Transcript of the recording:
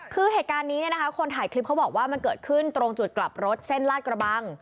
คือเหตุการณ์นี้เนี่ยนะคะคนถ่ายคลิปเขาบอกว่ามันเกิดขึ้นตรงจุดกลับรถเส้นลาดกระบัง